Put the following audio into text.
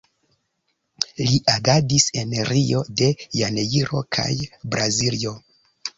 Li agadis en Rio de Janeiro kaj Braziljo.